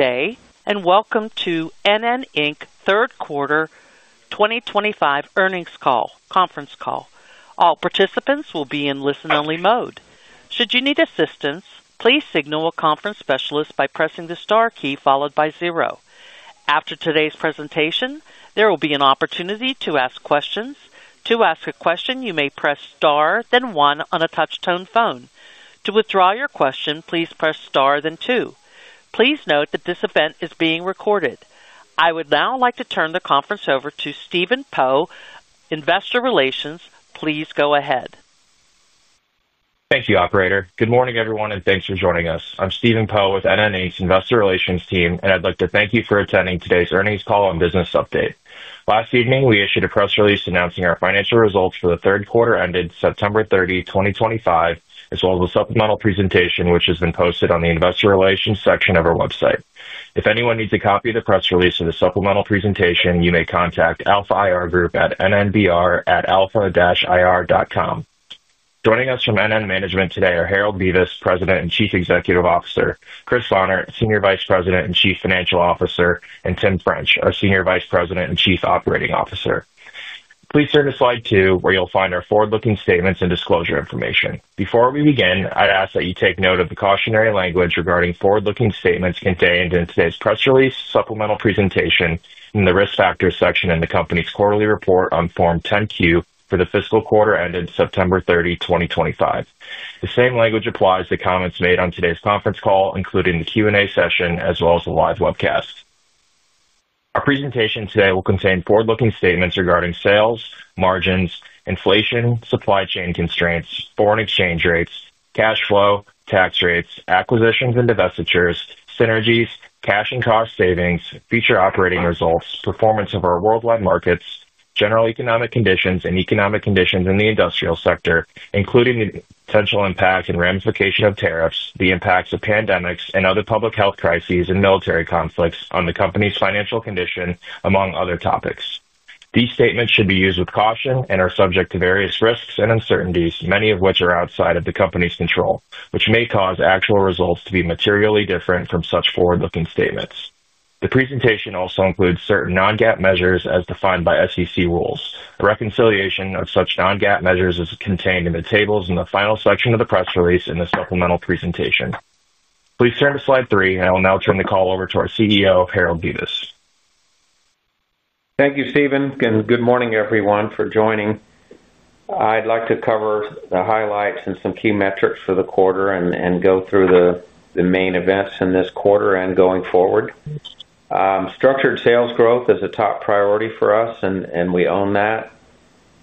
Good day and welcome to NN, Inc. third quarter 2025 earnings conference call. All participants will be in listen-only mode. Should you need assistance, please signal a conference specialist by pressing the star key followed by zero. After today's presentation, there will be an opportunity to ask questions. To ask a question, you may press star then one on a touch-tone phone. To withdraw your question, please press star then two. Please note that this event is being recorded. I would now like to turn the conference over to Stephen Poe, Investor Relations. Please go ahead. Thank you, Operator. Good morning, everyone, and thanks for joining us. I'm Stephen Poe with NN, Inc. Investor Relations Team, and I'd like to thank you for attending today's earnings call and business update. Last evening, we issued a press release announcing our financial results for the third quarter ended September 30, 2025, as well as a supplemental presentation which has been posted on the Investor Relations section of our website. If anyone needs a copy of the press release or the supplemental presentation, you may contact Alpha IR Group at NNBR@alpha-ir.com. Joining us from NN management today are Harold Bevis, President and Chief Executive Officer; Chris Bohnert, Senior Vice President and Chief Financial Officer; and Tim French, our Senior Vice President and Chief Operating Officer. Please turn to slide 2 where you'll find our forward-looking statements and disclosure information. Before we begin, I'd ask that you take note of the cautionary language regarding forward-looking statements in today's press release, supplemental presentation, and the Risk Factors section in the Company's quarterly report on Form 10-Q for the fiscal quarter ended September 30, 2025. The same language applies to comments made on today's conference call, including the Q&A session as well as the live webcast. Our presentation today will contain forward-looking statements regarding sales, margins, inflation, supply chain constraints, foreign exchange rates, cash flow, tax rates, acquisitions and divestitures, synergies, cash and cost savings, future operating results, performance of our worldwide markets, general economic conditions, and economic conditions in the industrial sector, including the potential impact and ramification of tariffs, the impacts of pandemics and other public health crises, and military conflicts on the Company's financial condition, among other topics. These statements should be used with caution and are subject to various risks and uncertainties, many of which are outside of the Company's control, which may cause actual results to be materially different from such forward-looking statements. The presentation also includes certain non-GAAP measures as defined by SEC rules. A reconciliation of such non-GAAP measures is contained in the tables in the final section of the press release and the supplemental presentation. Please turn to slide three and I will now turn the. Call over to our CEO Harold Bevis. Thank you, Stephen, and good morning everyone for joining. I'd like to cover the highlights and some key metrics for the quarter and go through the main events in this quarter and going forward. Structured sales growth is a top priority for us and we own that.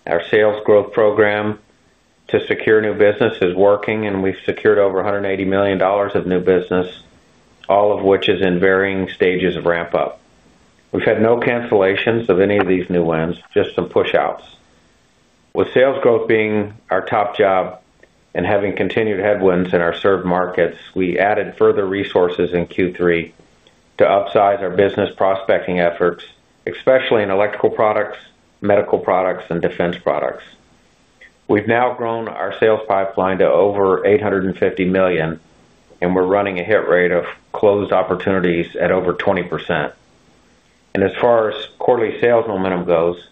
Our sales growth program to secure new business is working and we've secured over $180 million of new business, all of which is in varying stages of ramp up. We've had no cancellations of any of these new wins, just some push outs. With sales growth being our top job and having continued headwinds in our served markets, we added further resources in Q3 to upsize our business prospecting efforts, especially in electrical products, medical products, and defense products. We've now grown our sales pipeline to over $850 million and we're running a hit rate of closed opportunities at over 20%. As far as quarterly sales momentum goes,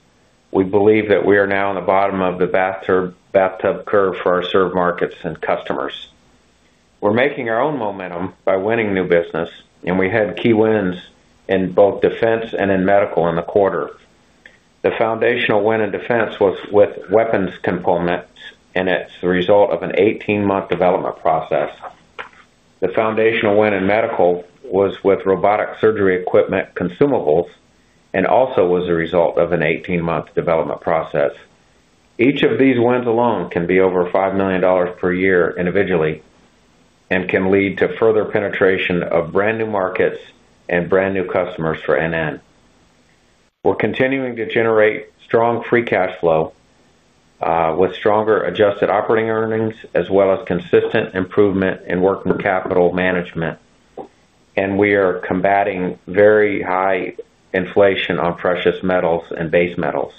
we believe that we are now on the bottom of the bathtub curve for our served markets and customers. We're making our own momentum by winning new business and we had key wins in both defense and in medical in the quarter. The foundational win in defense was with weapons components and it's the result of an 18-month development process. The foundational win in medical was with robotic surgery equipment consumables and also was a result of an 18-month development process. Each of these wins alone can be over $5 million per year individually and can lead to further penetration of brand new markets and brand new customers. For NN, we're continuing to generate strong free cash flow with stronger adjusted operating earnings as well as consistent improvement in working capital management. We are combating very high inflation on precious metals and base metals.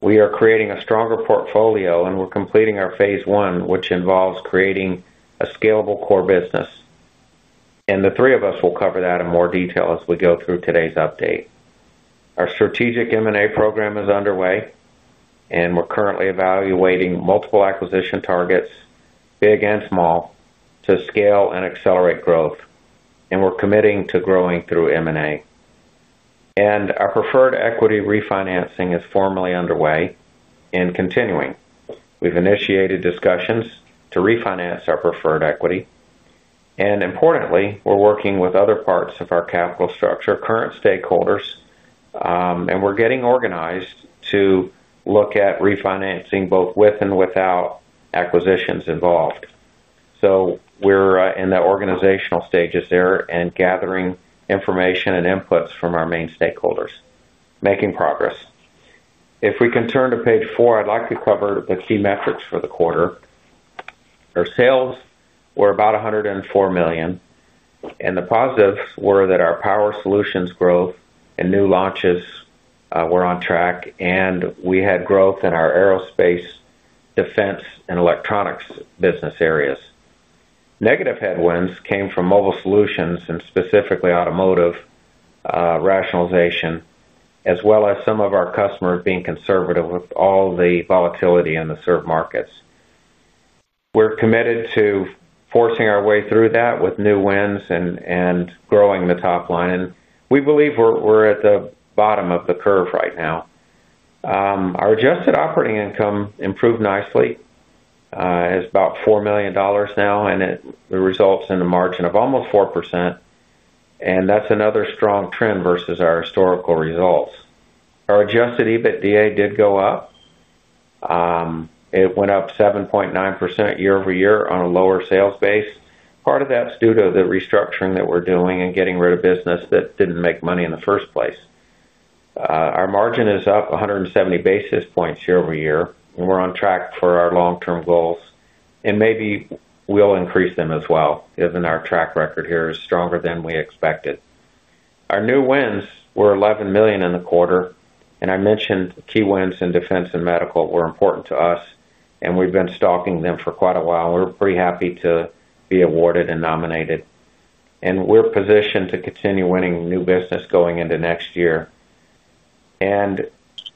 We are creating a stronger portfolio and we're completing our phase one, which involves creating a scalable core business. The three of us will cover that in more detail as we go through today's update. Our strategic M&A program is underway and we're currently evaluating multiple acquisition targets, big and small, to scale and accelerate growth. We're committing to growing through M&A. Our preferred equity refinancing is formally underway and continuing. We've initiated discussions to refinance our preferred equity, and importantly, we're working with other parts of our capital structure, current stakeholders, and we're getting organized to look at refinancing both with and without acquisitions involved. We're in the organizational stages there and gathering information and inputs from our main stakeholders. Making progress, if we can turn to page four, I'd like to cover the key metrics for the quarter. Our sales were about $104 million, and the positives were that our Power Solutions growth and new launches were on track, and we had growth in our aerospace, defense, and electronics business areas. Negative headwinds came from Mobile Solutions, and specifically automotive rationalization, as well as some of our customers being conservative. With all the volatility in the served markets, we're committed to forcing our way through that with new wins and growing the top line, and we believe we're at the bottom of the curve right now. Our adjusted operating income improved nicely. It's about $4 million now, and it results in a margin of almost 4%, and that's another strong trend versus our historical results. Our adjusted EBITDA did go up. It went up 7.9% year-over-year on a lower sales base. Part of that's due to the restructuring that we're doing and getting rid of business that didn't make money in the first place. Our margin is up 170 basis points year-over-year, and we're on track for our long term goals, and maybe we'll increase them as well, given our track record here is stronger than we expected. Our new wins were $11 million in the quarter, and I mentioned key wins in defense and medical were important to us, and we've been stalking them for quite a while. We're pretty happy to be awarded and nominated, and we're positioned to continue winning new business going into next year.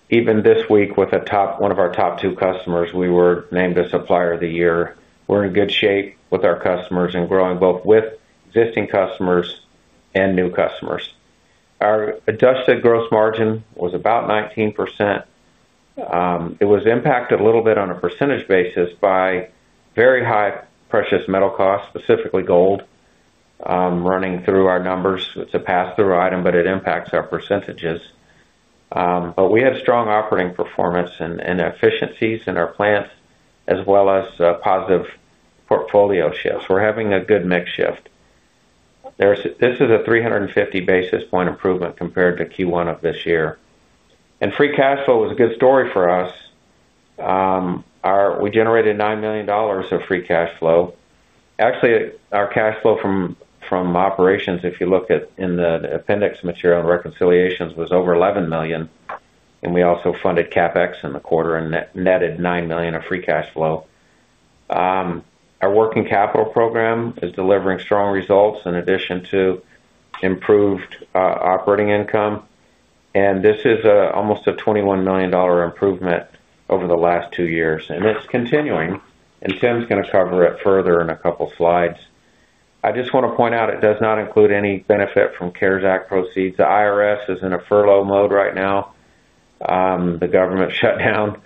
Even this week, with one of our top two customers, we were named a Supplier of the Year. We're in good shape with our customers and growing both with existing customers and new customers. Our adjusted gross margin was about 19%. It was impacted a little bit on a percentage basis by very high precious metal costs, specifically gold. Running through our numbers, it's a pass-through item, but it impacts our percentages. We had strong operating performance and efficiencies in our plants, as well as positive portfolio shifts. We're having a good mix shift. This is a 350 basis point improvement compared to Q1 of this year. Free cash flow was a good story for us. We generated $9 million of free cash flow. Actually, our cash flow from operations, if you look at in the appendix material and reconciliations, was over $11 million. We also funded CapEx in the quarter and netted $9 million of free cash flow. Our working capital program is delivering strong results in addition to improved operating income. This is almost a $21 million improvement over the last two years and it's continuing. Tim's going to cover it further in a couple slides. I just want to point out it does not include any benefit from CARES Act proceeds. The IRS is in a furlough mode right now. The government shut down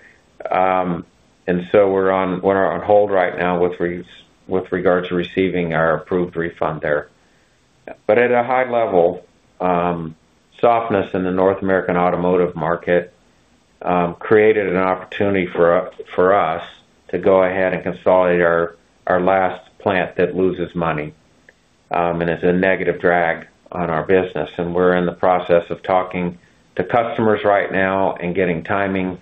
and we're on hold right now with revenue with regards to receiving our approved refund there. At a high level, softness in the North American automotive market created an opportunity for us to go ahead and consolidate our last plant that loses money and is a negative drag on our business. We're in the process of talking to customers right now and getting timing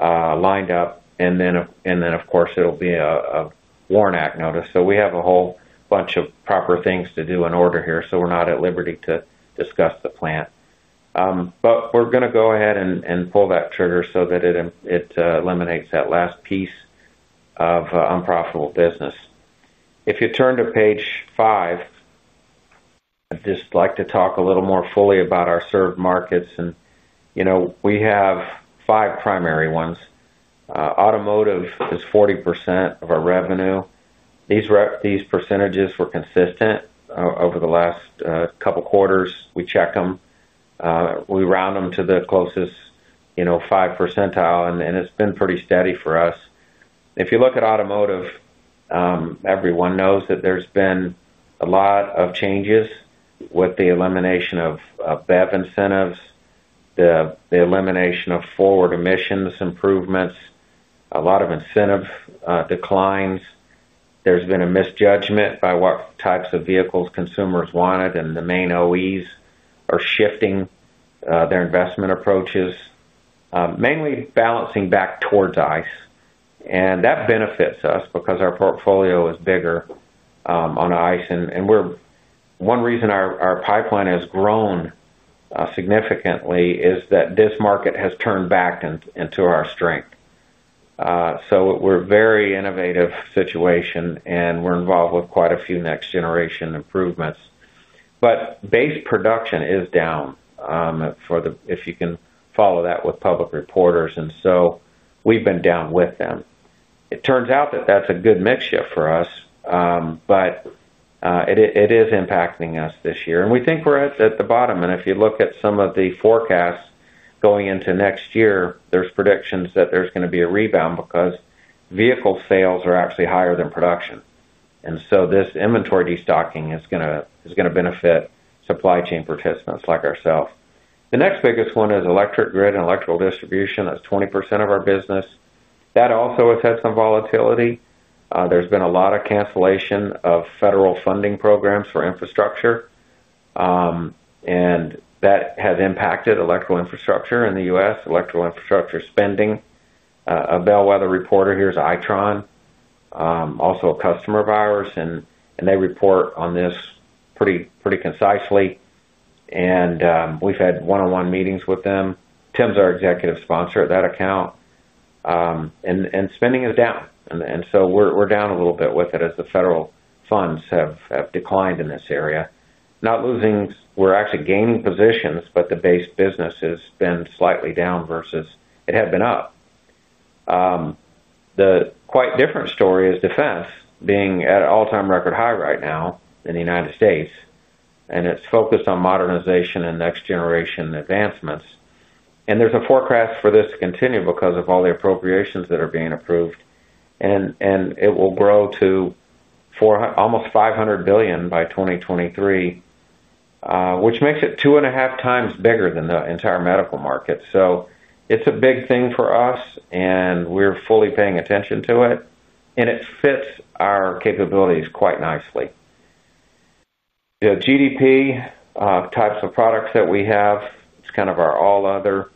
lined up. Of course, it'll be a WARN Act notice. We have a whole bunch of proper things to do in order here. We're not at liberty to discuss the plant, but we're going to go ahead and pull that trigger so that it eliminates that last piece of unprofitable business. If you turn to page five, I'd just like to talk a little more fully about our served markets. We have five primary ones. Automotive is 40% of our revenue. These percentages were consistent over the last couple quarters. We check them, we round them to the closest 5%. It's been pretty steady for us. If you look at automotive, everyone knows that there's been a lot of changes with the elimination of BEV incentives, the elimination of forward emissions improvements, a lot of incentive declines. There's been a misjudgment by what types of vehicles consumers wanted. The main OEs are shifting their investment approaches, mainly balancing back towards ICE. That benefits us because our portfolio is bigger on ICE and we're one reason our pipeline has grown significantly is that this market has turned back into our strength. We're very innovative situation and we're involved with quite a few next generation improvements. Base production is down if you can follow that with public reporters. We've been down with them. It turns out that that's a good mix shift for us. It is impacting us this year and we think we're at the bottom. If you look at some of the forecasts going into next year, there's predictions that there's going to be a rebound because vehicle sales are actually higher than production. This inventory destocking is going to benefit supply chain participants like ourselves. The next biggest one is electric grid and electrical distribution. That's 20% of our business that also has had some volatility. There's been a lot of cancellation of federal funding programs for infrastructure and that has impacted electrical infrastructure in the U.S. electrical infrastructure spending. A bellwether reporter here is Itron, also a customer of ours. They report on this pretty concisely and we've had one-on-one meetings with them. Tim's our executive sponsor at that account. Spending is down and so we're down a little bit with it as the federal funds have declined in this area. Not losing, we're actually gaining positions but the base business has been slightly down versus it had been up. The quite different story is defense being at an all-time record high right now in the United States and it's focused on modernization and next generation advancements. There's a forecast for this to continue because of all the appropriations that are being approved. It will grow to almost $500 billion by 2023, which makes it two and a half times bigger than the entire medical market. It's a big thing for us and we're fully paying attention to it and it fits our capabilities quite nicely. The GDP types of products that we have. It's kind of our all other,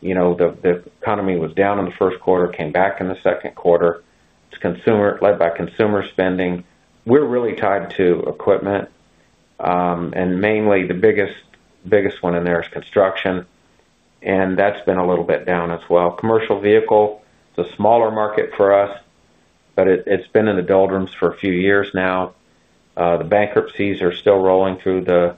you know, the economy was down in the first quarter, came back in the second quarter. It's consumer led by consumer spending. We're really tied to equipment and mainly the biggest, biggest one in there is construction and that's been a little bit down as well. Commercial vehicle is a smaller market for us, but it's been in the doldrums for a few years now. The bankruptcies are still rolling through the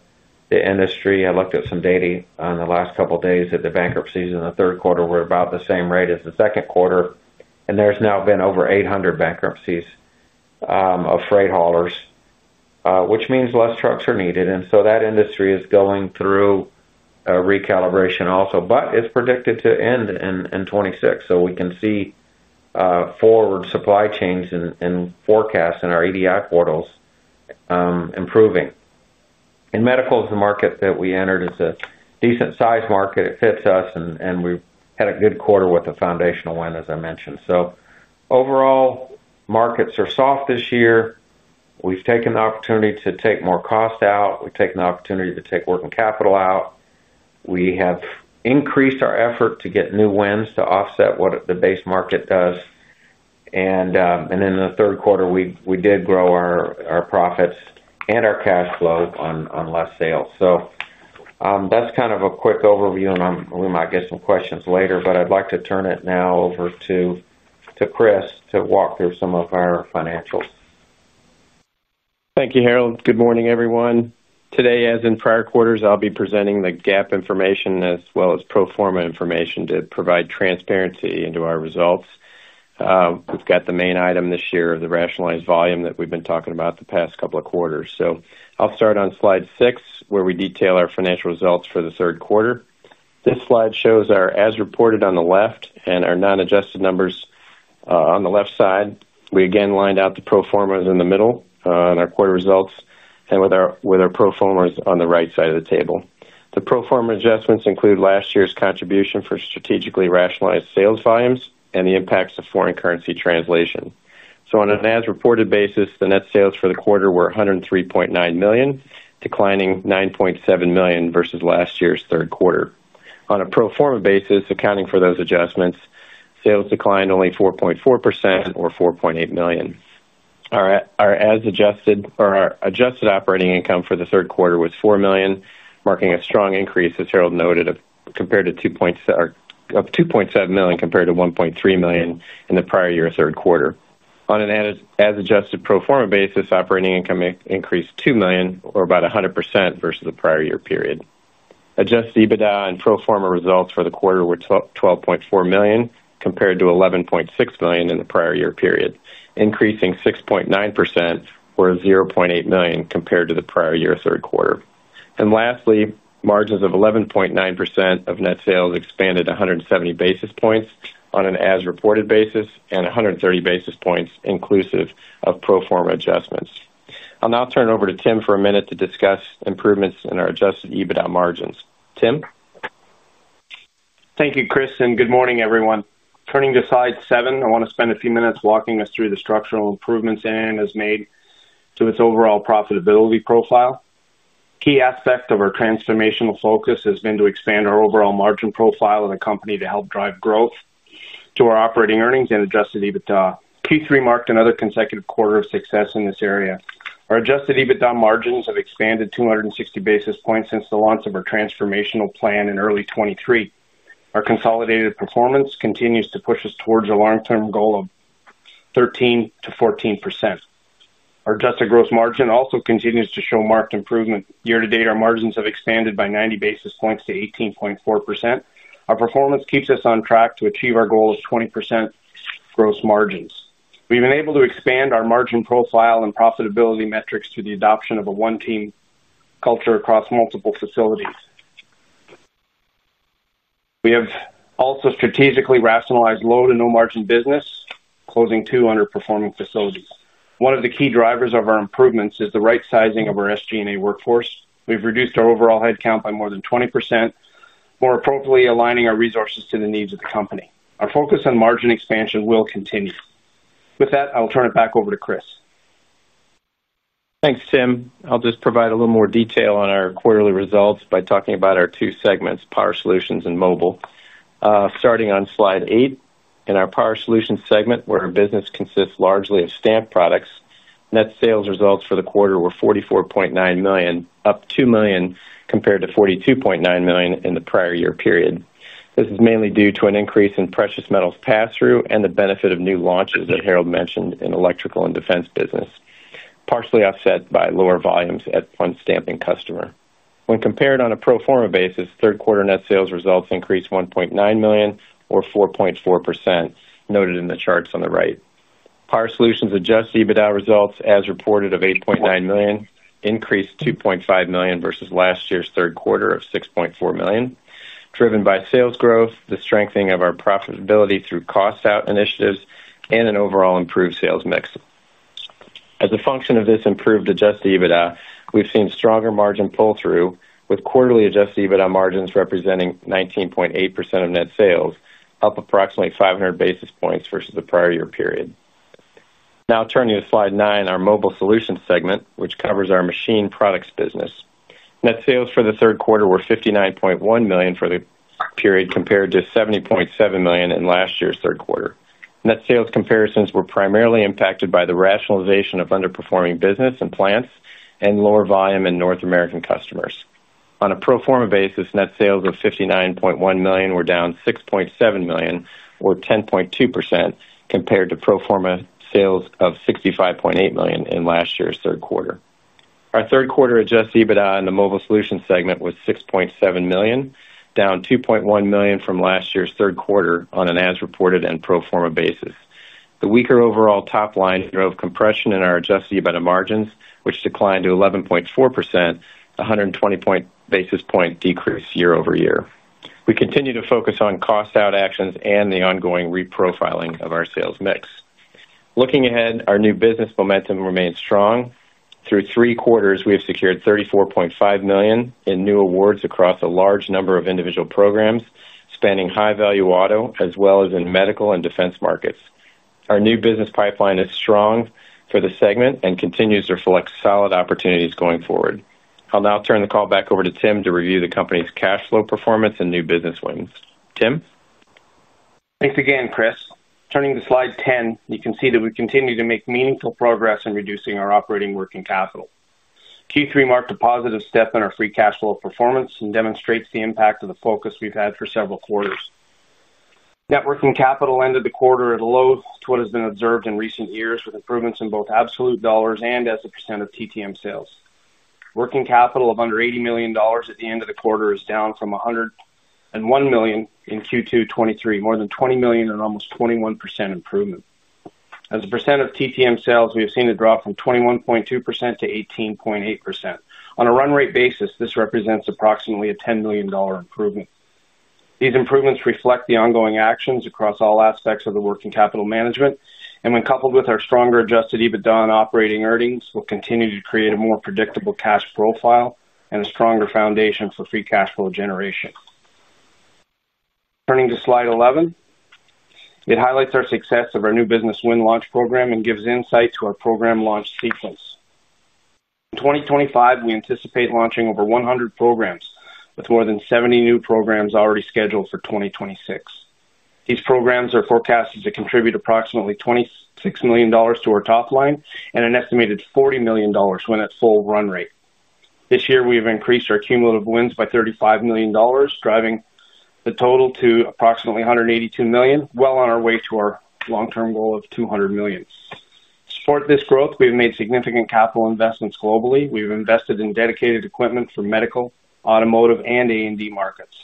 industry. I looked at some data on the last couple days that the bankruptcies in the third quarter were about the same rate as the second quarter. There's now been over 800 bankruptcies of freight haulers, which means less trucks are needed. That industry is going through recalibration also. It's predicted to end in 2026. We can see forward supply chains and forecast in our EDI portals improving. In medical, the market that we entered is a decent sized market. It fits us and we had a good quarter with a foundational win as I mentioned. Overall, markets are soft this year. We've taken the opportunity to take more cost out. We've taken the opportunity to take working capital out. We have increased our effort to get new wins to offset what the base market does. In the third quarter, we did grow our profits and our cash flow on less sales. That's kind of a quick overview and we might get some questions later, but I'd like to turn it now over to Chris to walk through some of our financials. Thank you, Harold. Good morning everyone. Today, as in prior quarters, I'll be presenting the GAAP information as well as pro forma information to provide transparency into our results. We've got the main item this year of the rationalized volume that we've been talking about the past couple of quarters. I'll start on Slide 6 where we detail our financial results for the third quarter. This slide shows our as reported on the left and our non-adjusted numbers on the left side. We again lined out the pro formas in the middle on our quarter results and with our pro formas on the right side of the table. The pro forma adjustments include last year's contribution for strategically rationalized sales volumes and the impacts of foreign currency translation. On an as reported basis, the net sales for the quarter were $103.9 million, declining $9.7 million versus last year's third quarter. On a pro forma basis, accounting for those adjustments, sales declined only 4.4% or $4.8 million. Our as adjusted or our adjusted operating income for the third quarter was $4 million, marking a strong increase, as Harold noted, compared to $2.7 million compared to $1.3 million in the prior year third quarter. On an as adjusted pro forma basis, operating income increased $2 million or about 100% versus the prior year period. Adjusted EBITDA and pro forma results for the quarter were $12.4 million compared to $11.6 million in the prior year period, increasing 6.9% or $0.8 million compared to the prior year third quarter. Lastly, margins of 11.9% of net sales expanded 170 basis points on an as reported basis and 130 basis points inclusive of pro forma adjustments. I'll now turn it over to Tim for a minute to discuss improvements in our adjusted EBITDA margins. Tim? Thank you, Chris, and good morning, everyone. Turning to Slide 7, I want to spend a few minutes walking us through the structural improvements NN has made to its overall profitability profile. A key aspect of our transformational focus has been to expand our overall margin profile of the company to help drive growth to our operating earnings. Adjusted EBITDA Q3 marked another consecutive quarter of success in this area. Our adjusted EBITDA margins have expanded 260 basis points since the launch of our transformational plan in early 2023. Our consolidated performance continues to push us towards a long-term goal of 13%-14%. Our adjusted gross margin also continues to show marked improvement. Year to date, our margins have expanded by 90 basis points to 18.4%. Our performance keeps us on track to achieve our goal of 20% gross margins. We've been able to expand our margin profile and profitability metrics through the adoption of a one team culture across multiple facilities. We have also strategically rationalized low to no margin business, closing two underperforming facilities. One of the key drivers of our improvements is the right sizing of our SG&A workforce. We've reduced our overall headcount by more than 20%, more appropriately aligning our resources to the needs of the company. Our focus on margin expansion will continue. With that, I will turn it back over to Chris. Thanks Tim. I'll just provide a little more detail on our quarterly results by talking about our two segments, Power Solutions and Mobile, starting on slide 8. In our Power Solutions segment, where our business consists largely of stamped products, net sales results for the quarter were $44.9 million, up $2 million compared to $42.9 million in the prior year period. This is mainly due to an increase in precious metals pass-through and the benefit of new launches that Harold mentioned in electrical and defense business, partially offset by lower volumes at a fund stamping customer. When compared on a pro forma basis, third quarter net sales results increased $1.9 million or 4.4% noted in the charts on the right. Power Solutions adjusted EBITDA results as reported of $8.9 million increased $2.5 million versus last year's third quarter of $6.4 million, driven by sales growth, the strengthening of our profitability through cost-out initiatives, and an overall improved sales mix. As a function of this improved adjusted EBITDA, we've seen stronger margin pull-through with quarterly adjusted EBITDA margins representing 19.8% of net sales, up approximately 500 basis points versus the prior year period. Now turning to slide 9, our Mobile Solutions segment, which covers our machined products business. Net sales for the third quarter were $59.1 million for the period compared to $70.7 million in last year's third quarter. Net sales comparisons were primarily impacted by the rationalization of underperforming business and plants and lower volume in North American customers. On a pro forma basis, net sales of $59.1 million were down $6.7 million or 10.2% compared to pro forma sales of $65.8 million in last year's third quarter. Our third quarter adjusted EBITDA in the Mobile Solutions segment was $6.7 million, down $2.1 million from last year's third quarter on an as reported and pro forma basis. The weaker overall top line drove compression in our adjusted EBITDA margins, which declined to 11.4%, a 120 basis point decrease year-over-year. We continue to focus on cost-out actions and the ongoing reprofiling of our sales mix. Looking ahead, our new business momentum remains strong. Through three quarters, we have secured $34.5 million in new awards across a large number of individual programs spanning high value auto as well as in medical and defense markets. Our new business pipeline is strong for the segment and continues to reflect solid opportunities going forward. I'll now turn the call back over to Tim to review the company's cash flow performance and new business wins. Tim? Thanks again, Chris. Turning to slide 10, you can see that we continue to make meaningful progress in reducing our operating working capital. Q3 marked a positive step in our free cash flow performance and demonstrates the impact of the focus we've had for several quarters. Net working capital ended the quarter at a low to what has been observed in recent years with improvements in both absolute dollars and as a percent of TTM sales. Working capital of under $80 million at the end of the quarter is down from $101 million in Q2 2023, more than $20 million and almost a 21% improvement. As a percent of TTM sales, we have seen a drop from 21.2% to 18.8%. On a run rate basis, this represents approximately a $10 million improvement. These improvements reflect the ongoing actions across all aspects of the working capital management, and when coupled with our stronger adjusted EBITDA and operating earnings, will continue to create a more predictable cash profile and a stronger foundation for free cash flow generation. Turning to slide 11, it highlights our success of our new business win launch program and gives insight to our program launch sequence. In 2025, we anticipate launching over 100 programs with more than 70 new programs already scheduled for 2026. These programs are forecasted to contribute approximately $26 million to our top line and an estimated $40 million when at full run rate. This year, we have increased our cumulative new business wins by $35 million, driving the total to approximately $182 million, well on our way to our long-term goal of $200 million. To support this growth, we've made significant capital investments globally. We've invested in dedicated equipment for medical, automotive, and A&D markets.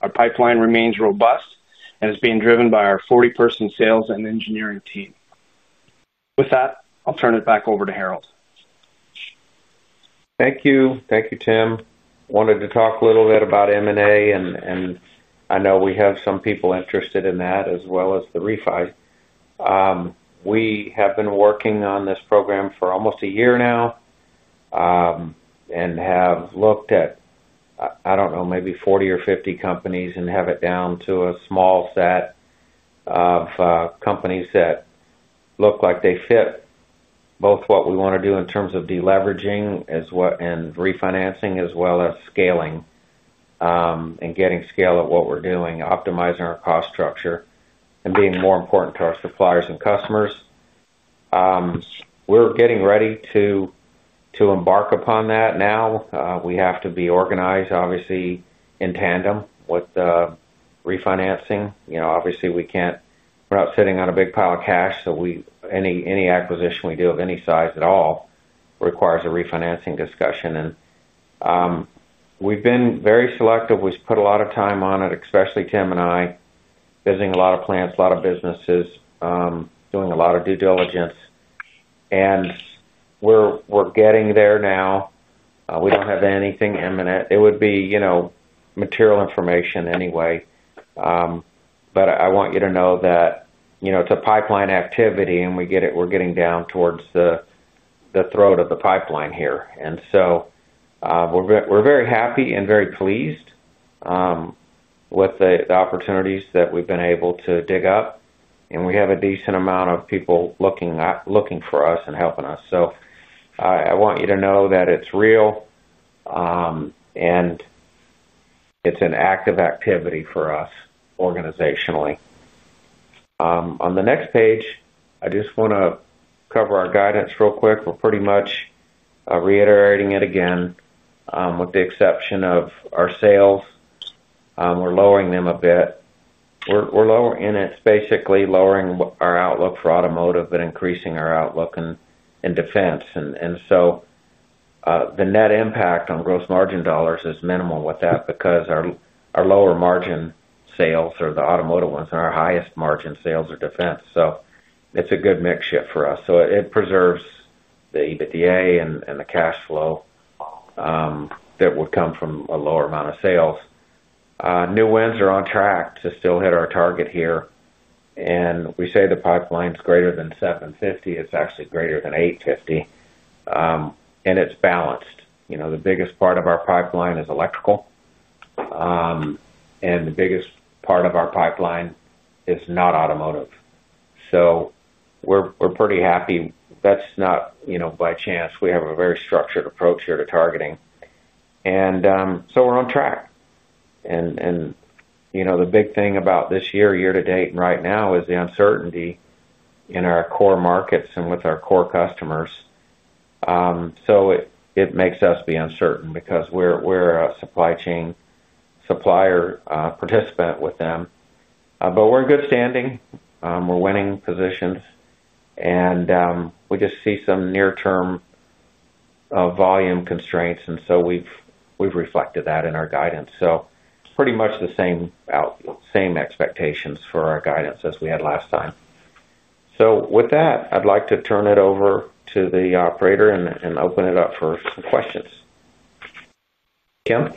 Our pipeline remains robust and is being driven by our 40-person sales and engineering team. With that, I'll turn it back over to Harold. Thank you. Thank you, Tim. wanted to talk a little bit about M&A. I know we have some people interested in that as well as the refi. We have been working on this program for almost a year now and have looked at, I don't know, maybe 40 or 50 companies and have it down to a small set of companies that look like they fit both what we want to do in terms of deleveraging and refinancing, as well as scaling and getting scale at what we're doing, optimizing our cost structure and being more important to our suppliers and customers. We're getting ready to embark upon that now. We have to be organized, obviously, in tandem with refinancing. Obviously we can't. We're not sitting on a big pile of cash. Any acquisition we do of any size at all requires a refinancing discussion. We've been very selective. We put a lot of time on it, especially Tim and I, visiting a lot of plants, a lot of businesses, doing a lot of due diligence, and we're getting there. We don't have anything imminent. It would be, you know, material information anyway. I want you to know that it's a pipeline activity and we get it. We're getting down towards the throat of the pipeline here. We're very happy and very pleased with the opportunities that we've been able to dig up. We have a decent amount of people looking for us and helping us. I want you to know that it's real and it's an active activity for us organizationally. On the next page, I just want to cover our guidance real quick. We're pretty much reiterating it again, with the exception of our sales. We're lowering them a bit. We're lower, and it's basically lowering our outlook for automotive, but increasing our outlook in defense. The net impact on gross margin dollars is minimal with that because our lower margin sales are the automotive ones, and our highest margin sales are defense. It's a good mix shift for us. It preserves the EBITDA and the cash flow that would come from a lower amount of sales. New wins are on track to still hit our target here. We say the pipeline is greater than $750 million. It's actually greater than $850 million, and it's balanced. The biggest part of our pipeline is electrical, and the biggest part of our pipeline is not automotive. We're pretty happy. That's not, you know, by chance. We have a very structured approach here to targeting and we're on track. The big thing about this year, year to date and right now is the uncertainty in our core markets and with our core customers. It makes us be uncertain because we're a supply chain supplier participant with them. We're in good standing, we're winning positions and we just see some near term volume constraints. We've reflected that in our guidance. Pretty much the same expectations for our guidance as we had last time. With that, I'd like to turn it over to the operator and open it up for some questions. Kim?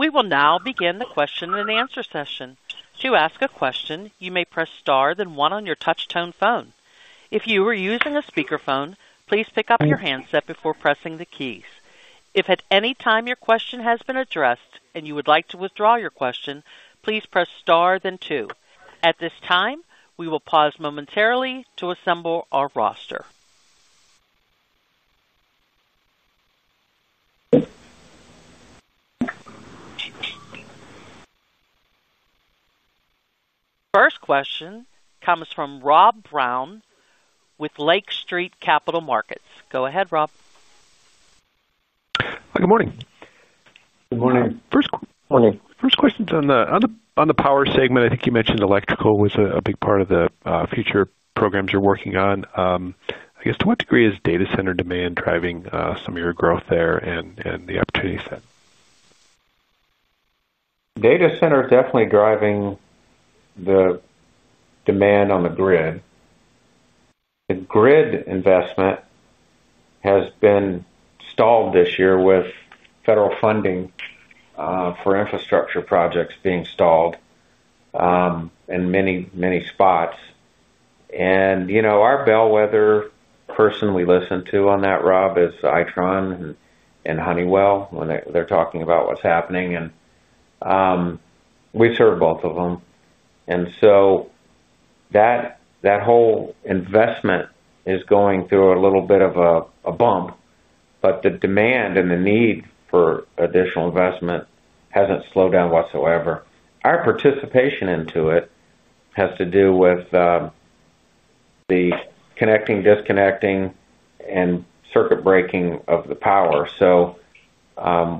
we will now begin the question and answer session. To ask a question, you may press star then 1 on your touch tone phone. If you are using a speakerphone, please pick up your handset before pressing the keys. If at any time your question has been addressed and you would like to withdraw your question, please press star then 2. At this time, we will pause momentarily to assemble our roster. First question comes from Rob Brown with Lake Street Capital Markets. Go ahead, Rob. Good morning. First question on the Power segment, I think you mentioned electrical was a big part of the future programs you're working on. To what degree is data center demand driving some of your growth there? The opportunity set? Data center is definitely driving the demand on the grid. The grid investment has been stalled this year with federal funding for infrastructure projects being stalled in many spots. Our bellwether person we listen to on that, Rob, is Itron and Honeywell when they're talking about what's happening, and we serve both of them. That whole investment is going through a little bit of a bump, but the demand and the need for additional investment hasn't slowed down whatsoever. Our participation into it has to do with the connecting, disconnecting, and circuit breaking of the power.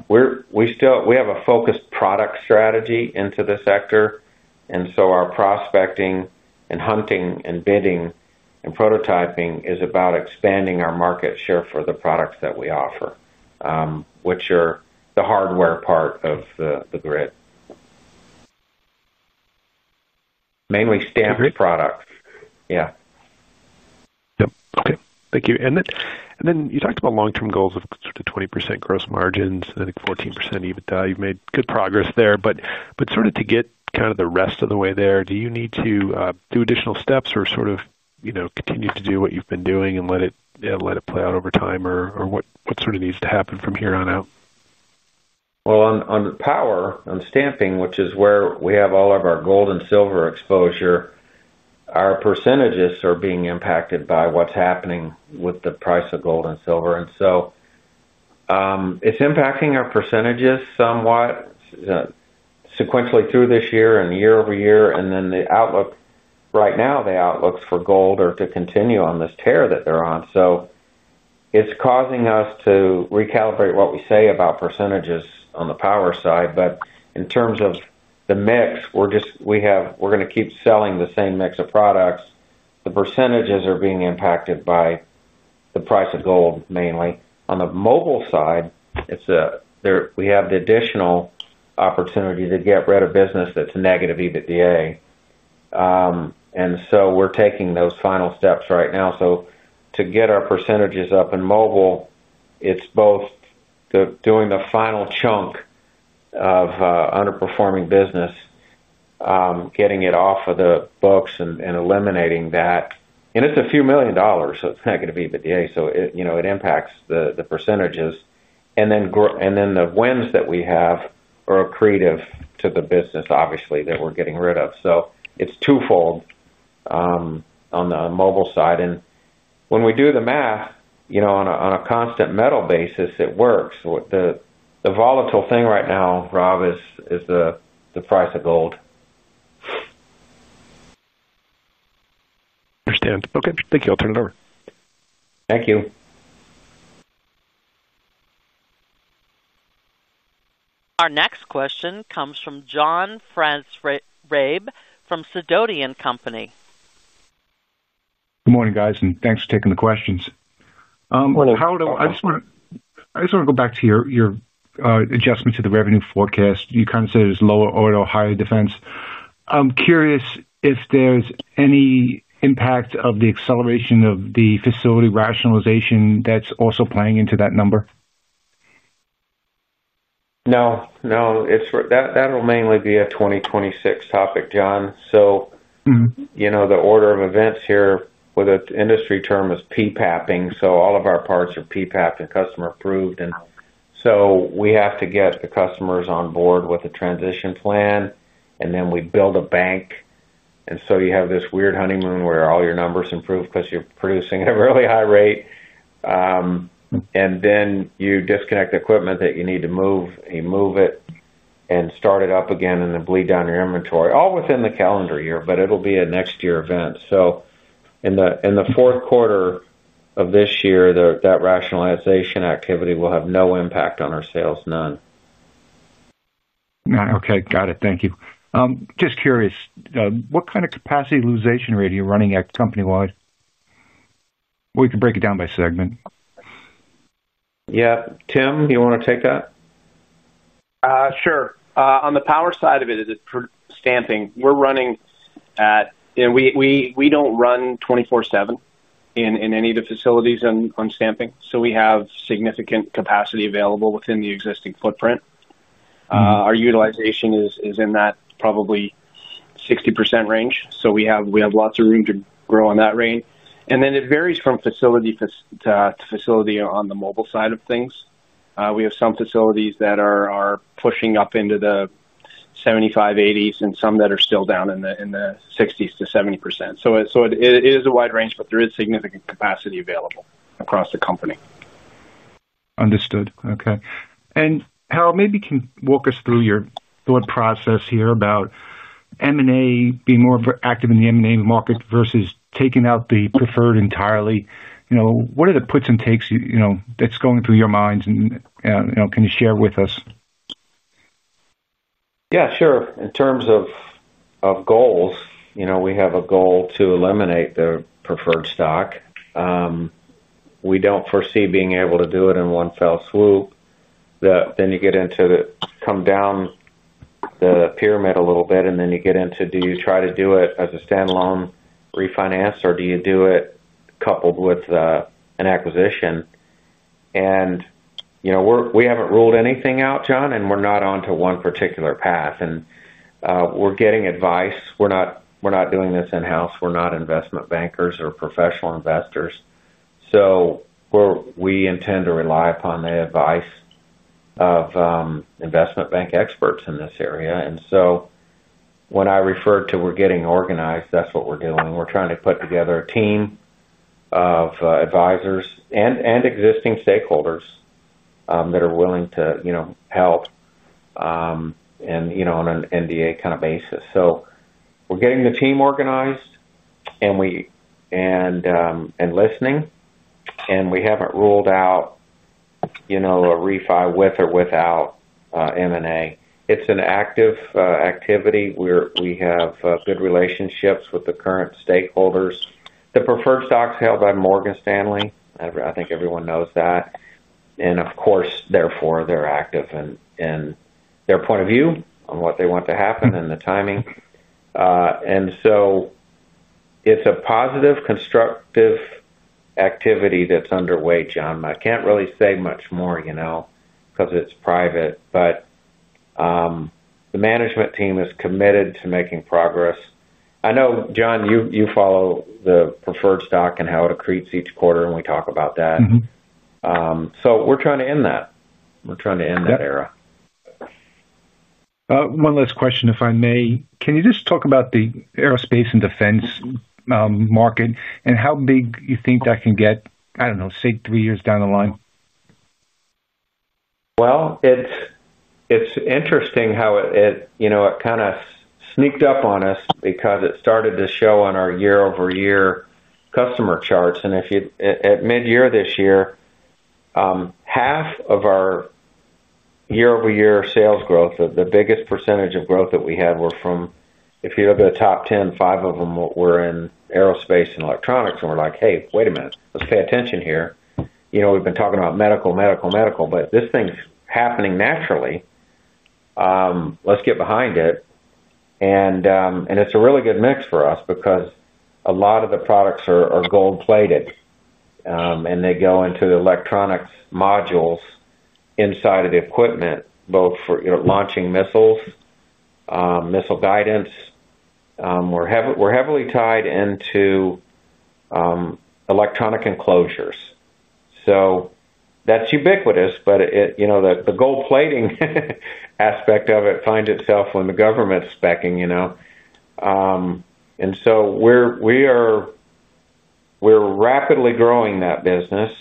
We have a focused product strategy into the sector. Our prospecting, hunting, bidding, and prototyping is about expanding our market share for the products that we offer, which are the hardware part of the grid, mainly stamped products. Okay, thank you. You talked about long-term goals of 20% gross margins, I think 14% adjusted EBITDA. You've made good progress there, but to get the rest of the way there, do you need to do additional steps or sort of continue to do what you've been doing. Let it play out over time or what sort of needs to happen from here on out? On Power, on Stamping, which is where we have all of our gold and silver exposure, our percentages are being impacted by what's happening with the price of gold and silver. It's impacting our percentages somewhat sequentially through this year and year-over-year. The outlook right now for gold is to continue on this tear that it's on. It's causing us to recalibrate what we say about percentages on the power side. In terms of the mix, we're going to keep selling the same mix of products. The percentages are being impacted by the price of gold. Mainly on the Mobile side, we have the additional opportunity to get rid of business that's negative EBITDA. We're taking those final steps right now. To get our percentages up in Mobile, it's both doing the final chunk of underperforming business, getting it off of the books and eliminating that. It's a few million dollars, so it's negative EBITDA. It impacts the percentages, and then the wins that we have are accretive to the business, obviously, that we're getting rid of. It's twofold on the mobile side. When we do the math on a constant metal basis, it works. The volatile thing right now, Rob, is the price of gold. Understand? Okay, thank you. I'll turn it over. Thank you. Our next question comes from John Franzreb from Sidoti & Company. Good morning guys, and thanks for taking the questions. I just want to go back to your adjustment to the revenue forecast. You kind of said it was lower order, higher defense. I'm curious if there's any impact of the acceleration of the facility rationalization that's also playing into that number? No, it's that, that will mainly be a 2026 topic, John. The order of events here with an industry term is PPAPPing. All of our parts are PPAP and customer approved. We have to get the customers on board with the transition plan and then we build a bank. You have this weird honeymoon where all your numbers improve because you're producing at a really high rate. Then you disconnect equipment that you need to move, you move it and start it up again and then bleed down your inventory all within the calendar year. It'll be a next year event. In the fourth quarter of this year, that rationalization activity will have no impact on our sales. None. Okay, got it. Thank you, just curious, what kind of capacity utilization rate are you running at company wide? We can break it down by segment. Yeah. Tim, you want to take that? Sure. On the power side of it, is it stamping we're running at. We don't run 24/7 in any of the facilities on stamping. We have significant capacity available within the existing footprint. Our utilization is in that probably 60% range. We have lots of room to grow on that range. It varies from facility to facility on the mobile side of things. We have some facilities that are pushing up into the 75%, 80% and some that are still down in the 60% to 70%. It is a wide range, but there is significant capacity available across the company. Understood. Okay. Harold, maybe can walk us through your thought process here about M&A being more active in the M&A market versus taking out the preferred entirely. What are the puts and takes? That's going through your minds and can you share with us? Yeah, sure. In terms of goals, we have a goal to eliminate the preferred stock. We don't foresee being able to do it in one fell swoop. You get into the come down the pyramid a little bit and then you get into do you try to do it as a standalone refinance or do you do it coupled with an acquisition? We haven't ruled anything out, John, and we're not onto one particular path and we're getting advice. We're not doing this in house. We're not investment bankers or professional investors. We intend to rely upon the advice of investment bank experts in this area. When I referred to we're getting organized, that's what we're doing. We're trying to put together a team of advisors and existing stakeholders that are willing to help on an NDA kind of basis. We're getting the team organized and listening and we haven't ruled out a refi with or without M&A. It's an active activity where we have good relationships with the current stakeholders. The preferred stock's held by Morgan Stanley, I think everyone knows that and of course, therefore they're active in their point of view on what they want to happen and the timing. It's a positive, constructive activity that's underway, John. I can't really say much more because it's private. The management team is committed to making progress. I know, John, you follow the preferred stock and how it accretes each quarter and we talk about that. We're trying to end that, we're trying to end that era. One last question if I may. Can you just talk about the aerospace and defense market and how big you think that can get? I don't know, say three years down the line. It's interesting how it kind of sneaked up on us because it started to show on our year-over-year customer charts and if you look at mid-year this year, half of our year-over-year sales growth, the biggest percentage of growth that we had were from, if you look at the top 10, five of them were in aerospace and electronics. We're like, hey, wait a minute, let's pay attention here. We've been talking about medical, medical, medical, but this thing's happening naturally, let's get behind it. It's a really good mix for us because a lot of the products are gold plated and they go into electronics modules inside of the equipment, both for launching missiles, missile guidance. We're heavily tied into electronic enclosures, so that's ubiquitous. The gold plating aspect of it finds itself when the government's speccing. We're rapidly growing that business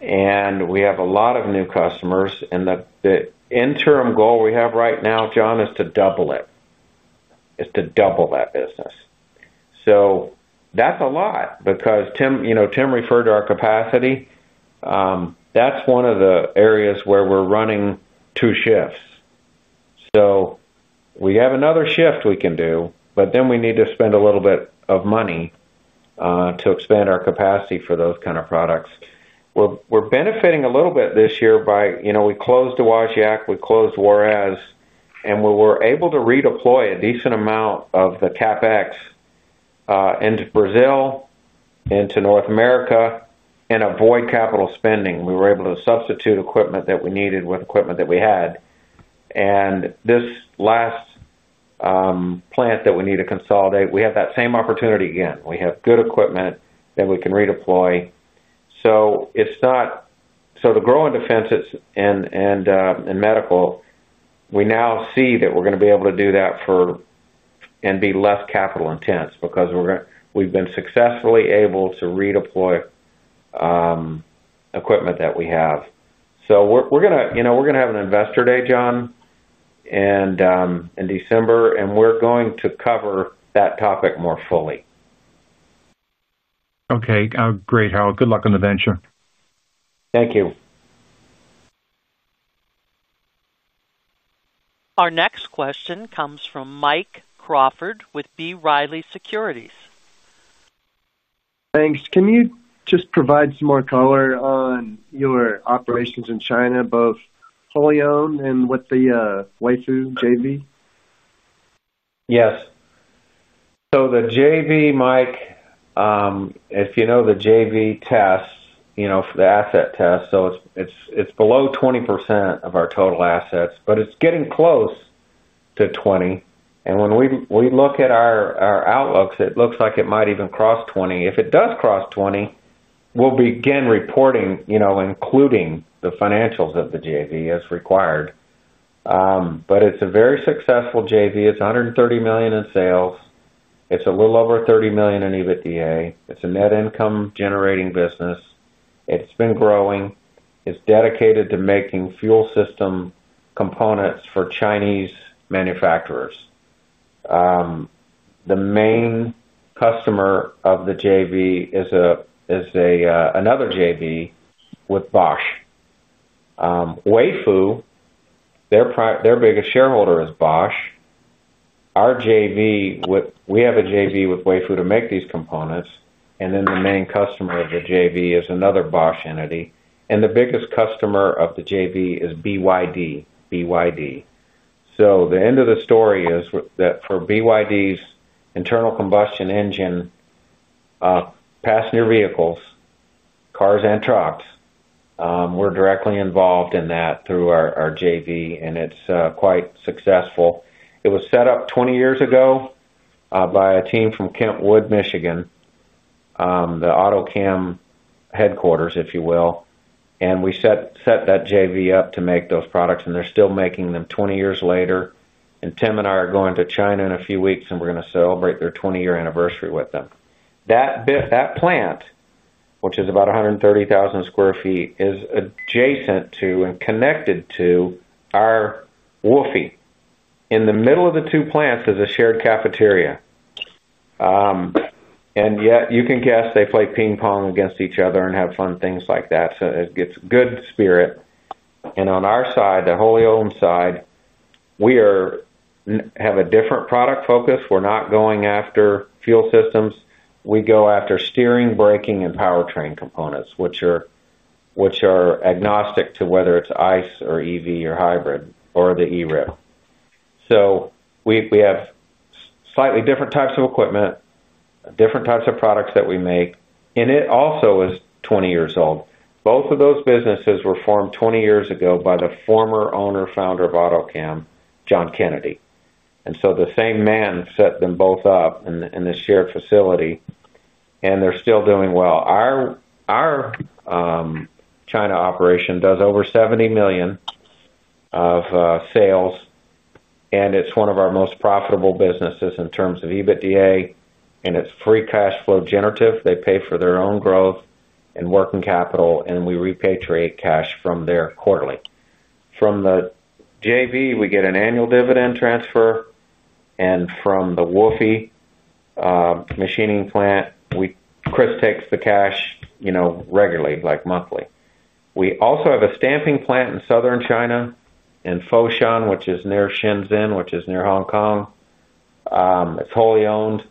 and we have a lot of new customers, and the interim goal we have right now, John, is to double. It is to double that business. That's a lot because Tim, you know, Tim referred to our capacity. That's one of the areas where we're running two shifts, so we have another shift we can do, but then we need to spend a little bit of money to expand our capacity for those kind of products. We're benefiting a little bit this year by, you know, we closed Dowagiac, we closed Juarez, and we were able to redeploy a decent amount of the CapEx into Brazil, into North America, and avoid capital spending. We were able to substitute equipment that we needed with equipment that we had, and this last plant that we need to consolidate, we have that same opportunity again. We have good equipment that we can redeploy. It's not so, to grow in defense and medical, we now see that we're going to be able to do that and be less capital intense because we've been successfully able to redeploy equipment that we have. We're going to have an investor day, John, in December and we're going to cover that topic more fully. Okay, great Harold, good luck on the venture. Thank you. Our next question comes from Mike Crawford with B. Riley Securities. Thanks. Can you just provide some more color on your operations in China, both wholly owned and with the Weifu JV. Yes. The JV, Mike, if you know the JV test, you know the asset test. It's below 20% of our total assets, but it's getting close to 20%. When we look at our outlooks, it looks like it might even cross 20%. If it does cross 20%, we'll begin reporting, including the financials of the JV as required. It's a very successful JV. It's $130 million in sales. It's a little over $30 million in EBITDA. It's a net income generating business. It's been growing. It's dedicated to making fuel systems components for Chinese manufacturers. The main customer of the JV is another JV with Bosch. Weifu. Their biggest shareholder is Bosch. Our JV, we have a JV with Weifu to make these components, and then the main customer of the JV is another Bosch entity. The biggest customer of the JV is BYD. BYD. The end of the story is that for BYD's internal combustion engine passenger vehicles, cars, and trucks, we're directly involved in that through our JV and it's quite successful. It was set up 20 years ago by a team from Kentwood, Michigan, the Autocam headquarters, if you will. We set that JV up to make those products and they're still making them 20 years later. Tim and I are going to China in a few weeks and we're going to celebrate their 20-year anniversary with them. That plant, which is about 130,000 sq ft, is adjacent to and connected to our WOFE. In the middle of the two plants is a shared cafeteria. You can guess they play ping pong against each other and have fun, things like that. It's good spirit. On our side, the wholly owned side, we have a different product focus. We're not going after fuel systems. We go after steering, braking, and powertrain components which are agnostic to whether it's ICE or EV or hybrid or the ERIP. We have slightly different types of equipment, different types of products that we make. It also is 20 years old. Both of those businesses were formed 20 years ago by the former owner, founder of Autocam, John Kennedy. The same man set them both up in this shared facility and they're still doing well. Our China operation does over $70 million of sales and it's one of our most profitable businesses in terms of EBITDA. It's free cash flow generative. They pay for their own growth and working capital. We repatriate cash from there quarterly. From the JV we get an annual dividend transfer. From the WOFE Machining plant, Chris takes the cash regularly, like monthly. We also have a stamping plant in southern China in Foshan, which is near Shenzhen, which is near Hong Kong. It's wholly owned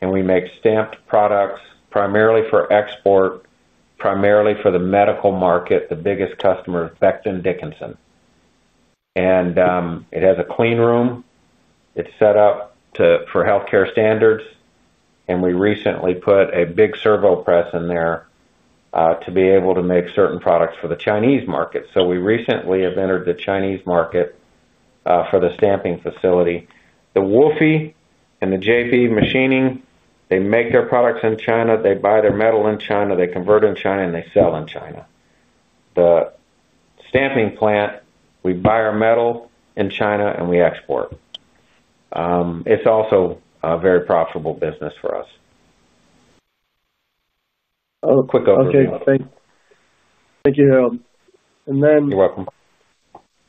and we make stamped products primarily for export, primarily for the medical market. The biggest customer, Becton Dickinson. It has a clean room, it's set up for healthcare standards. We recently put a big servo press in there to be able to make certain products for the Chinese market. We recently have entered the Chinese market for the stamping facility. The WOFE and the JV Machining, they make their products in China, they buy their metal in China, they convert in China and they sell in China. The stamping plant, we buy our metal in China and we export. It's also a very profitable business for us. Okay, thank you, Harold. You're welcome.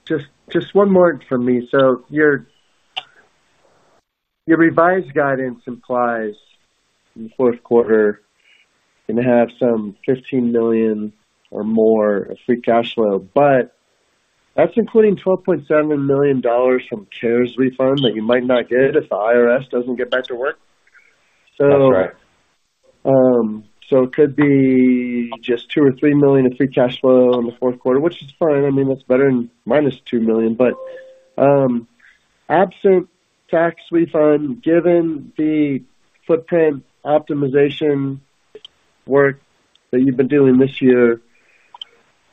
Just one more for me. Your revised guidance implies in the fourth quarter you have some $15 million or more free cash flow, but that's including $12.7 million from CARES refund that you might not get if the IRS doesn't get back to work. That's right. It could be just $2 million or $3 million in free cash flow in. The fourth quarter, which is fine. I mean, that's better than -$2 million. Absent tax refund, given the footprint optimization work that you've been doing this year,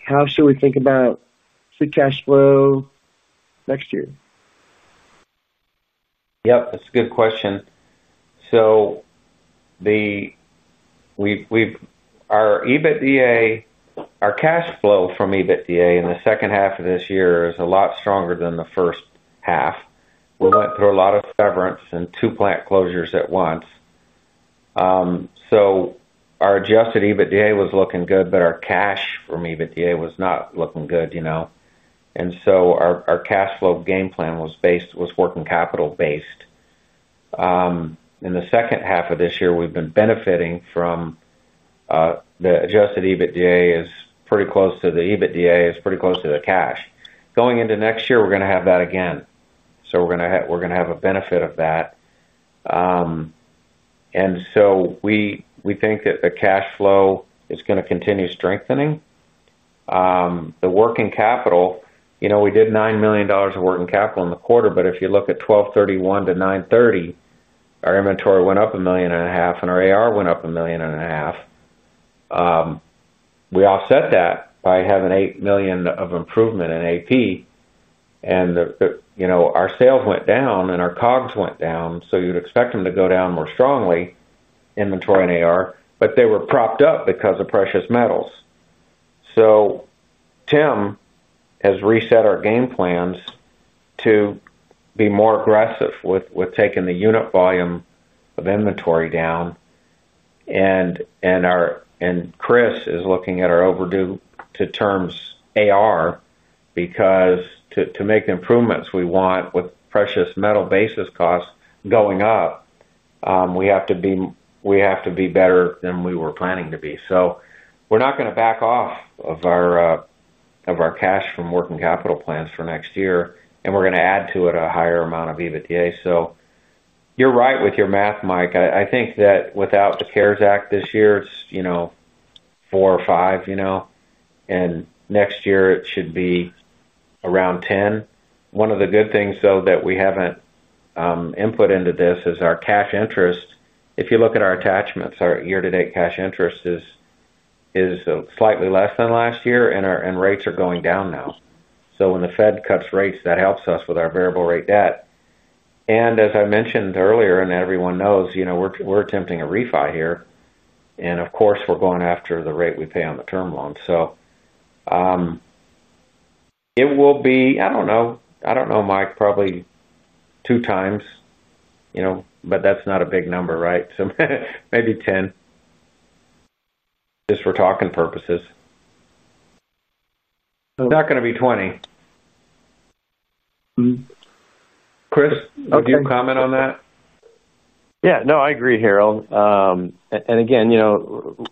how should we think about free cash flow next year? Yep, that's a good question. Our cash flow from EBITDA in the second half of this year is a lot stronger than the first half. We went through a lot of severance and two plant closures at once. Our adjusted EBITDA was looking good, but our cash from EBITDA was not looking good. Our cash flow game plan was working capital based in the second half of this year. We've been benefiting from the adjusted EBITDA being pretty close to the cash going into next year. We're going to have that again. We're going to have a benefit of that. We think that the cash flow is going to continue strengthening the working capital. We did $9 million of working capital in the quarter, but if you look at 12/31 to 09/30, our inventory went up $1.5 million and our AR went up $1.5 million. We offset that by having $8 million of improvement in AP and our sales went down and our COGS went down. You'd expect them to go down more strongly in inventory and AR, but they were propped up because of precious metals. Tim has reset our game plans to be more aggressive with taking the unit volume of inventory down. Chris is looking at our overdue to terms AR because to make improvements we want, with precious metal basis costs going up, we have to be better than we were planning to be. We're not going to back off of our cash from working capital plans for next year and we're going to add to it a higher amount of EBITDA. You're right with your math, Mike. I think that without the CARES Act this year, it's four or five, and next year it should be around 10. One of the good things though that we haven't input into this is our cash interest. If you look at our attachments, our year-to-date cash interest is slightly less than last year and rates are going down now. When the Fed cuts rates, that helps us with our variable rate debt. As I mentioned earlier and everyone knows, we're attempting a refi here and of course we're going after the rate we pay on the term loan. It will be, I don't know, I don't know, Mike. Probably two times, but that's not a big number. Maybe 10, just for talking purposes, it's not going to be 20. Chris, would you comment on that? Yeah, no, I agree, Harold.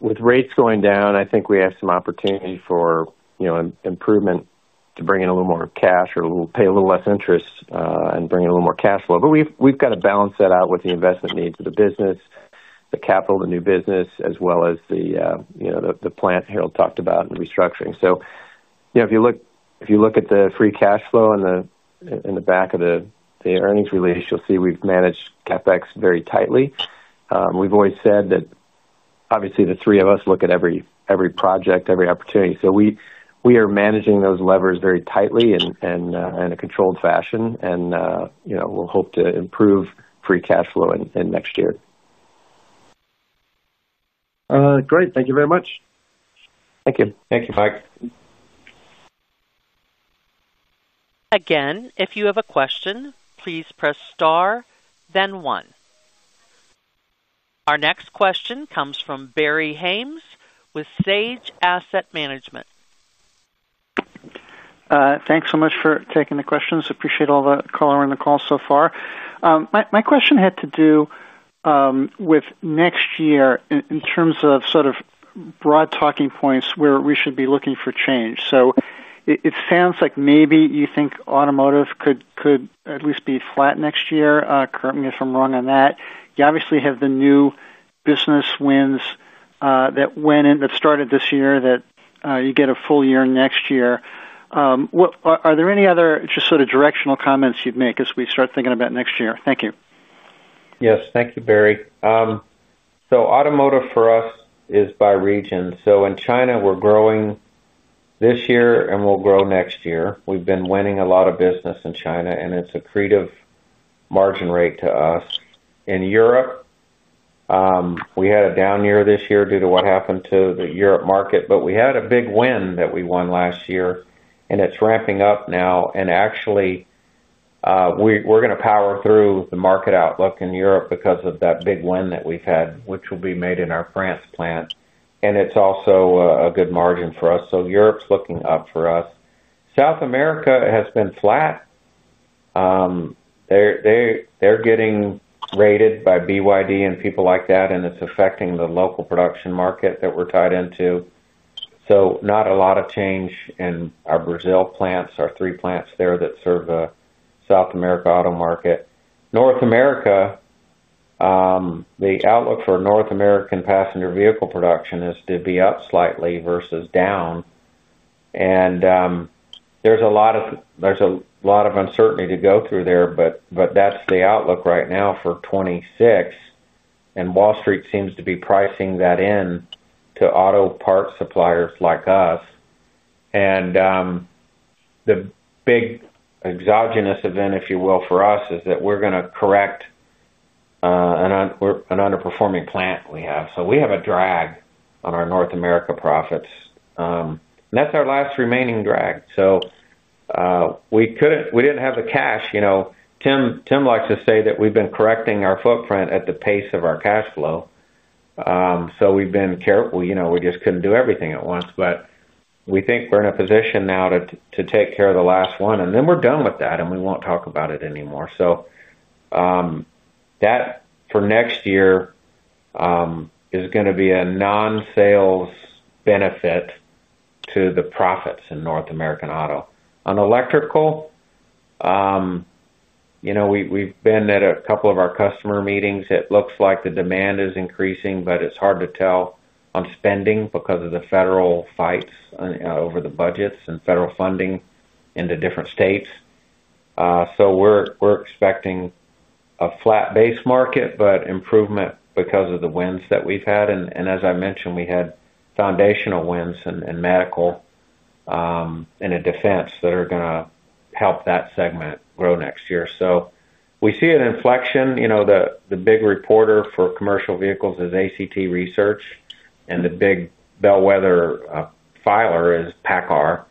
With rates going down, I think we have some opportunity for improvement to bring in a little more cash or pay a little less interest and bring in a little more cash flow. We've got to balance that out with the investment needs of the business, the capital, the new business as well as the plant Harold talked about and restructuring. If you look at the free cash flow, in the back of the earnings release, you'll see we've managed CapEx very tightly. We've always said that obviously the three of us look at every project, every opportunity. We are managing those levers very tightly and in a controlled fashion. We'll hope to improve free cash flow in next year. Great. Thank you very much. Thank you. Thank you, Mike. Again, if you have a question, please press Star then one. Our next question comes from Barry Haimes with Sage Asset Management. Thanks so much for taking the questions. Appreciate all the callers on the call so far. My question had to do with next year in terms of sort of broad talking points where we should be looking for change. It sounds like maybe you think automotive could at least be flat next year. Correct me if I'm wrong on that. You obviously have the new business wins that went in, that started this year that you get a full year next year. Are there any other just sort of directional comments you'd make as we start thinking about next year? Thank you. Yes, thank you, Barry. Automotive for us is by region. In China we're growing this year and will grow next year. We've been winning a lot of business in China and it's accretive margin rate to us. In Europe we had a down year this year due to what happened to the Europe market, but we had a big win that we won last year and it's ramping up now. Actually, we're going to power through the market outlook in Europe because of that big win that we've had, which will be made in our France plant, and it's also a good margin for us. Europe's looking up for us. South America has been flat, they're getting raided by BYD and people like that, and it's affecting the local production market that we're tied into. Not a lot of change in our Brazil plants, our three plants there that serve the South America auto market. North America, the outlook for North American passenger vehicle production is to be up slightly versus down. There's a lot of uncertainty to go through there, but that's the outlook right now for 2026 and Wall Street seems to be pricing that in to auto parts suppliers like us. The big exogenous event, if you will, for us is that we're going to correct an underperforming plant we have. We have a drag on our North America profits. That's our last remaining drag. We didn't have the cash. Tim likes to say that we've been correcting our footprint at the pace of our cash flow. We've been careful, we just couldn't do everything at once. We think we're in a position now to take care of the last one and then we're done with that and we won't talk about it anymore. For next year, that's going to be a non-sales benefit to the profits in North American Auto. On electrical, we've been at a couple of our customer meetings. It looks like the demand is increasing, but it's hard to tell on spending because of the federal fights over the budgets and federal funding into different states. We're expecting a flat base market but improvement because of the wins that we've had. As I mentioned, we had foundational wins in medical and in defense that are going to help that segment grow next year. We see an inflection. The big reporter for commercial vehicles is ACT Research and the big bellwether filer is Paccar.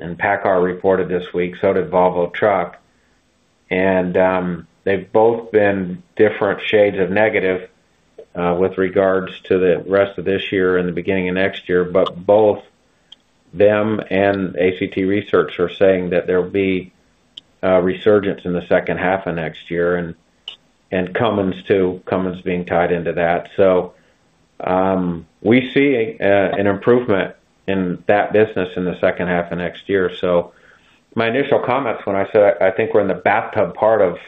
Paccar reported this week, so did Volvo Truck, and they've both been different shades of negative with regards to the rest of this year and the beginning of next year. Both them and ACT Research are saying that there'll be resurgence in the second half of next year, and Cummins too. Cummins being tied into that. We see an improvement in that business in the second half of next year. My initial comments when I said I think we're in the bathtub part of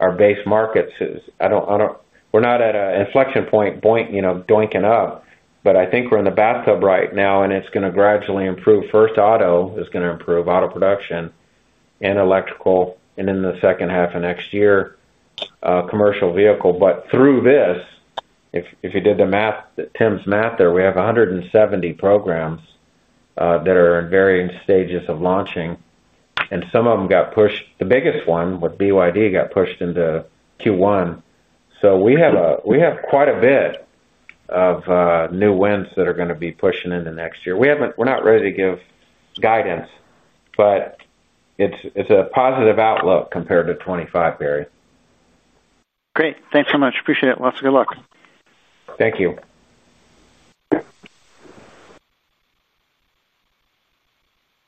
our base markets is I don't think we're at an inflection point going up, but I think we're in the bathtub right now and it's going to gradually improve. First, auto is going to improve auto production and electrical, and in the second half of next year, commercial vehicle. If you did the math, Tim's math there, we have 170 programs that are in varying stages of launching, and some of them got pushed. The biggest one with BYD got pushed into Q1. We have quite a bit of new wins that are going to be pushing into next year. We're not ready to give guidance, but it's a positive outlook compared to 2025. Barry great. Thanks so much. Appreciate it. Lots of good luck. Thank you.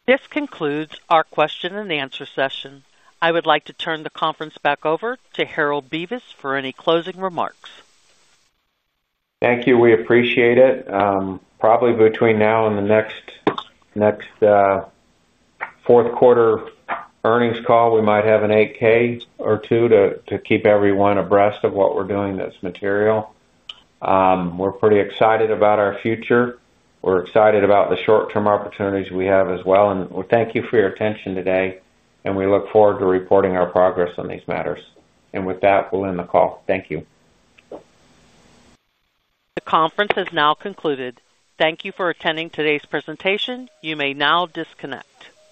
This concludes our question-and-answer session. I would like to turn the conference back over to Harold Bevis for any closing remarks. Thank you. We appreciate it. Probably between now and the next fourth quarter earnings call we might have an 8-K or two to keep everyone abreast of what we're doing that's material. We're pretty excited about our future. We're excited about the short term opportunities we have as well. Thank you for your attention today. We look forward to reporting our progress on these matters. With that, we'll end the call. Thank you. The conference has now concluded. Thank you for attending today's presentation. You may now disconnect.